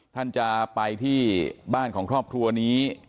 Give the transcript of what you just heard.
ท่านจะไปที่บ้านของครอบครัวนี้